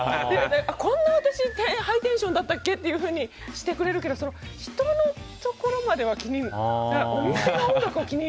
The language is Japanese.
こんな私ハイテンションだったっけ？ってしてくれるけど人のところまでは気に。